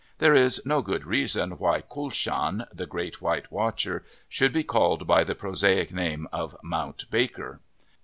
There is no good reason why Kulshan, "The Great White Watcher," should be called by the prosaic name of Mount Baker.